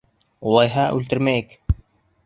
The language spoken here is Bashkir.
Улайһа, үлтермәйек.